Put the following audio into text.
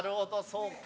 そうか。